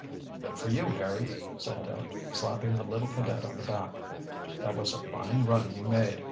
"Good for you, Harry," said Dick, slapping the little cadet on the back. "That was a fine run you made.